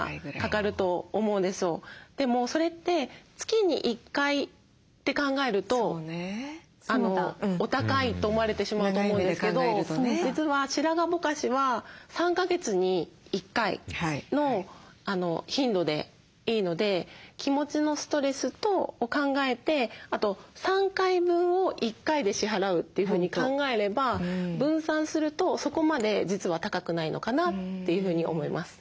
でもそれって月に１回って考えるとお高いと思われてしまうと思うんですけど実は白髪ぼかしは３か月に１回の頻度でいいので気持ちのストレスを考えてあと３回分を１回で支払うというふうに考えれば分散するとそこまで実は高くないのかなというふうに思います。